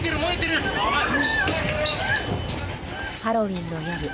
ハロウィーンの夜